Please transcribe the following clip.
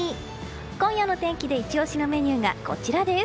今夜の天気でイチ押しのメニューがこちらです。